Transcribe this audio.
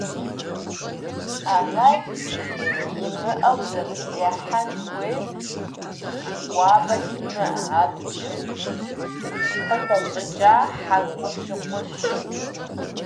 Ӏэмал имыӏэу зэрызехьэн хуейр жьы кӏуапӏэ зимыӏэ, абджым къыхэщӏыкӏа хьэкъущыкъущ.